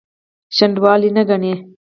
شنډوالي نه ګڼي.